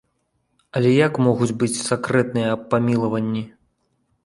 Але як могуць быць сакрэтныя аб памілаванні?